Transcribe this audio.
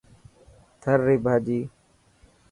ٿر ري ڀاڄي .